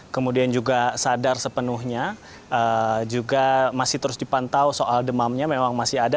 kemudian juga sadar sepenuhnya juga masih terus dipantau soal demamnya memang masih ada